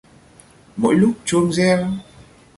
Mỗi lúc chuông reo